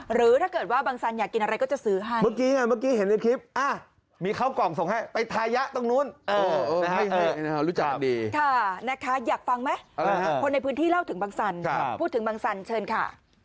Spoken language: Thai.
หรือกำแพงเท่านั้นบังไม่เคยทำร้ายให้ใครนะคะ